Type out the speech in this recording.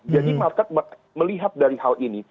jadi market melihat dari hal ini